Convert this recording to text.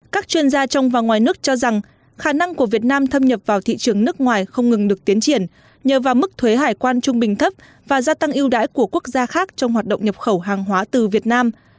các chuyên gia trong và ngoài nước cho rằng khả năng của việt nam thâm nhập vào thị trường nước ngoài không ngừng được tiến triển nhờ vào mức thuế hải quan trung bình thấp và gia tăng ưu đãi của quốc gia khác trong hoạt động nhập khẩu hàng hóa từ việt nam